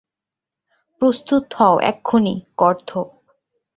প্রস্তুত হও এক্ষুণি, গর্দভ!